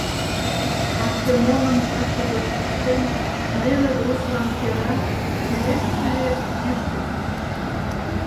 Артемоным ваче гоч пыштен, неле грузлан кӧра шӱлешт-шӱлешт кӱшкӧ кӱзыш.